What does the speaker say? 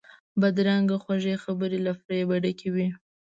بدرنګه خوږې خبرې له فریب ډکې وي